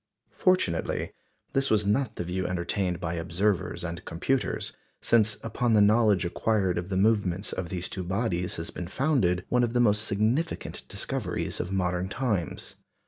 Fortunately, this was not the view entertained by observers and computers; since upon the knowledge acquired of the movements of these two bodies has been founded one of the most significant discoveries of modern times.